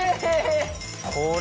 これ。